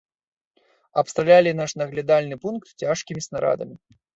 Абстралялі наш наглядальны пункт цяжкімі снарадамі.